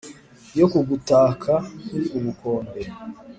yo kugutaka nkiri ubukombe